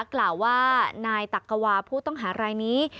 กล่าวว่านายตักกวาผู้ต้องหารายนี้